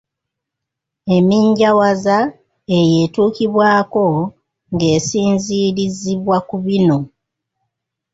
Emminjawaza eyo etuukibwako ng’esinziirizibwa ku bino.